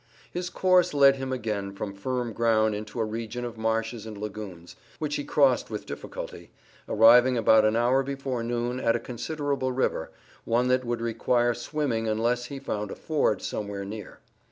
His course led him again from firm ground into a region of marshes and lagoons, which he crossed with difficulty, arriving about an hour before noon at a considerable river, one that would require swimming unless he found a ford somewhere near.